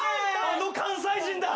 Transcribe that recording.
あの関西人だ！